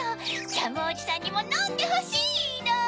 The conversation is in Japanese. ジャムおじさんにものんでほしの！